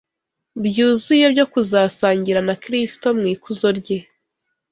byuzuye byo kuzasangira na Kristo mu ikuzo rye